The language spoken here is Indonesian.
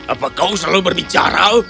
apa kau selalu berbicara